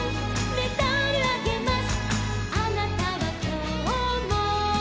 「メダルあげます」